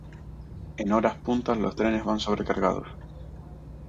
En horas punta los trenes van sobrecargados.